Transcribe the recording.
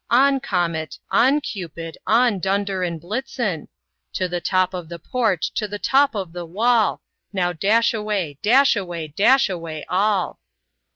On! Comet, on! Cupid, on! Dunder and Blitzen To the top of the porch, to the top of the wall! Now, dash away, dash away, dash away all!"